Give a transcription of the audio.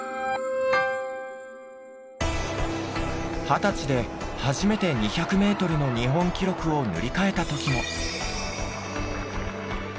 二十歳で初めて２００メートルの日本記録を塗り替えた時も。